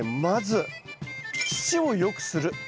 まず土を良くする。